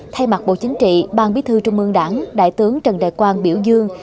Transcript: thay mặt bộ chính trị ban bí thư trung ương đảng đại tướng trần đại quang biểu dương